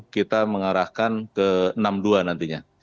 kita mengarahkan ke enam puluh dua nantinya